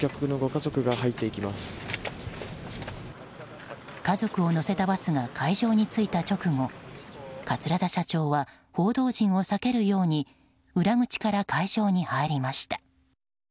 家族を乗せたバスが会場に着いた直後桂田社長は報道陣を避けるように裏口から会場に入りました。